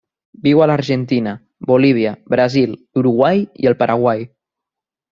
Viu a l'Argentina, Bolívia, Brasil, l'Uruguai i el Paraguai.